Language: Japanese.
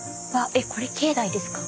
えこれ境内ですか？